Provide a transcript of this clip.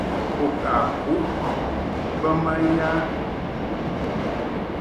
U ka kuʼ bə ma ya ?